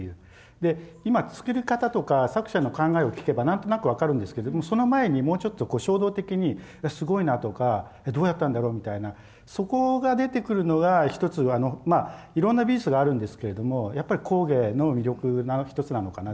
で今作り方とか作者の考えを聞けば何となく分かるんですけどその前にもうちょっと衝動的にすごいなとかえどうやったんだろうみたいなそこが出てくるのが一つはまあいろんな美術があるんですけれどもやっぱり工芸の魅力の一つなのかなっていうふうに思います。